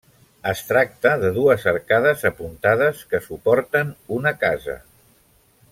Es tracta de dues arcades apuntades que suporten una casa.